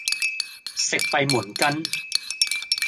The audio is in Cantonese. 食閉門羹